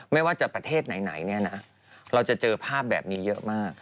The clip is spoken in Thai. ไม่ว่าจะประเทศไหนเนี่ยนะเราจะเจอภาพแบบนี้เยอะมาก